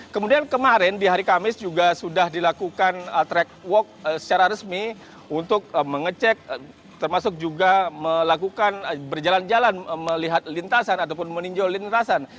kemudian kemarin di hari kamis juga sudah dilakukan track walk secara resmi untuk mengecek termasuk juga melakukan berjalan jalan melihat lintasan ataupun meninjau lintasan